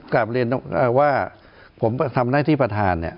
กลับเรียนว่าผมทำหน้าที่ประธานเนี่ย